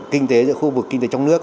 kinh tế giữa khu vực kinh tế trong nước